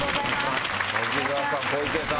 柿澤さん小池さん。